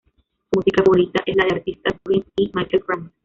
Su música favorita es la de artistas Prince y Michael Franks.